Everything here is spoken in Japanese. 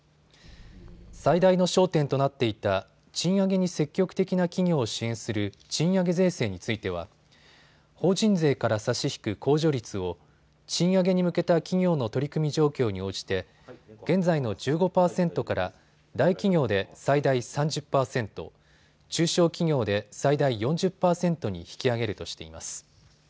最大の焦点となっていた賃上げに積極的な企業を支援する賃上げ税制については法人税から差し引く控除率を賃上げに向けた企業の取り組み状況に応じて現在の１５％から大企業で最大３０％、中小企業で最大４０％に引き上げるとしています。